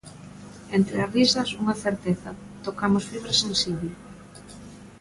Entre as risas, unha certeza, tocamos fibra sensible.